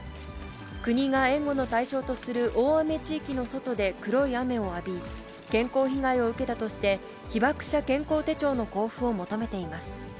国が援護の対象とする大雨地域の外で黒い雨を浴び、健康被害を受けたとして、被爆者健康手帳の交付を求めています。